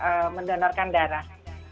dan mendonorkan darah